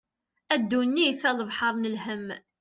A ddunit a lebḥer n lhem.